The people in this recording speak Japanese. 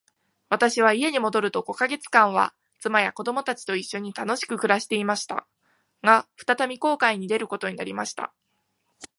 私は家に戻ると五ヵ月間は、妻や子供たちと一しょに楽しく暮していました。が、再び航海に出ることになりました。